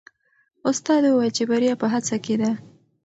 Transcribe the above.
استاد وویل چې بریا په هڅه کې ده.